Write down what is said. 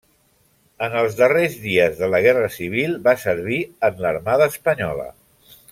En els darrers dies de la guerra civil va servir en l'Armada Espanyola.